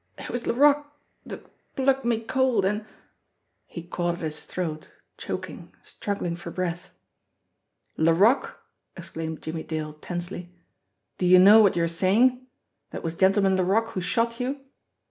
It was Laroque dat plugged me cold, an " He caught at his throat, choking, struggling for breath. "Laroque!" exclaimed Jimmie Dale tensely. "Do you know what you are saying that it was Gentleman Laroque who shot you?"